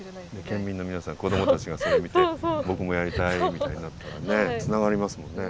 県民の皆さん子供たちがそれを見て僕もやりたいみたいになったらねつながりますもんね。